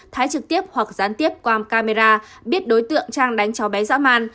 thái trực tiếp hoặc gián tiếp qua camera biết đối tượng trang đánh cháu bé dã man